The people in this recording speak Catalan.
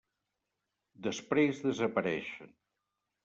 Després desapareixen.